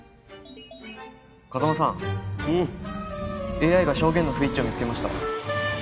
ＡＩが証言の不一致を見つけました。